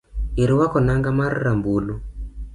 Irwako nanga ma rambulu